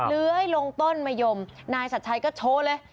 เล้อยลงโต้นมัยยมนายสัชไตก็โชว์เลย